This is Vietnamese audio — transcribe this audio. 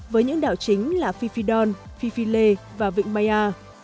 với những đảo chính là phi phi don phi phi lê và vịnh maya